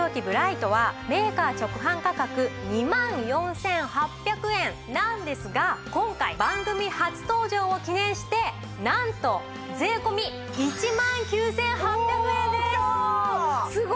ブライトはメーカー直販価格２万４８００円なんですが今回番組初登場を記念してなんと税込１万９８００円です。